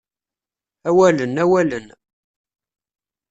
Awalen, awalen...